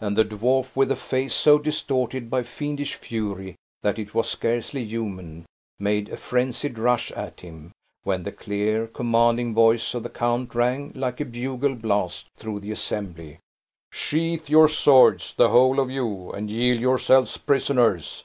and the dwarf, with a face so distorted by fiendish fury that it was scarcely human, made a frenzied rush at him, when the clear, commanding voice of the count rang like a bugle blast through the assembly, "Sheathe your swords, the whole of you, and yield yourselves prisoners.